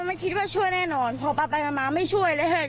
ไม่คิดว่าช่วยแน่นอนพอไปมาไม่ช่วยเลย